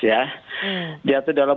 ya diatur dalam